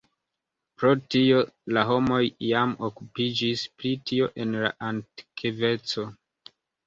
Pro tio la homoj jam okupiĝis pri tio en la antikveco.